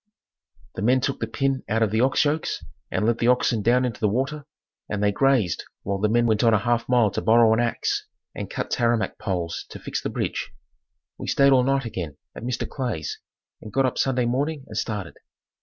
The men took the pin out of the ox yokes and let the oxen down into the water and they grazed while the men went on a half a mile to borrow an ax and cut tamarack poles to fix the bridge. We stayed all night again at Mr. Clay's and got up Sunday morning and started.